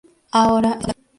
Ahora está jubilado.